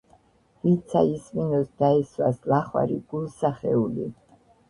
ვინცა ისმინოს, დაესვას ლახვარი გულსა ხეული